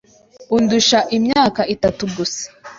Undusha imyaka itatu gusa.